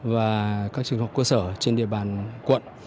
và các trường học cơ sở trên địa bàn quận